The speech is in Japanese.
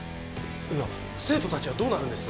いや生徒達はどうなるんです？